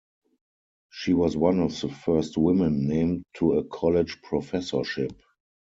She was one of the first women named to a college professorship.